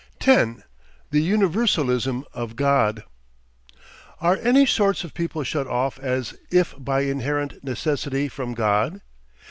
10. THE UNIVERSALISM OF GOD Are any sorts of people shut off as if by inherent necessity from God?